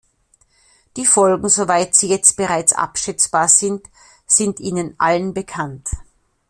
Die Folgen, soweit sie jetzt bereits abschätzbar sind, sind Ihnen allen bekannt.